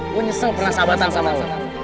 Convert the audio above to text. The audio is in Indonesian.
gua nyesel pernah sahabatan sama lo